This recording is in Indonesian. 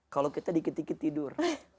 kalau kita dikit dikit tidur